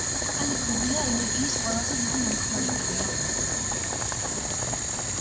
კალიფორნია ენერგიის ყველაზე დიდი მომხმარებელია.